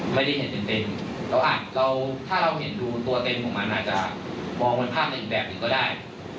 ไม่ได้เห็นเต็มเราถ้าเราเห็นดูตัวเต็มของมันอาจจะมองบนภาพในอีกแบบหนึ่งก็ได้